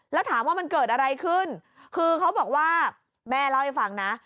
แล้วถามว่ามันเกิดอะไรขึ้นคือเขาบอกว่าแม่เล่าให้ฟังนะ